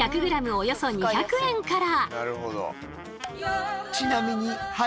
およそ２００円から。